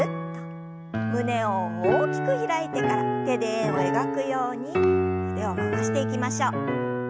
胸を大きく開いてから手で円を描くように腕を回していきましょう。